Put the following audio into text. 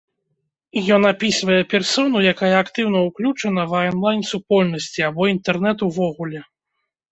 Ён апісвае персону, якая актыўна уключана ва анлайн супольнасці або інтэрнэт увогуле.